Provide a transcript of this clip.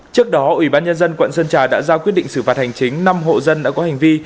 trước đó ủy ban nhân dân quận sơn trà đã ra quyết định xử phạt hành chính năm hộ dân đã có hành vi